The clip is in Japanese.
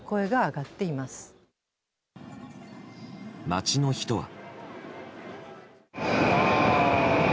街の人は。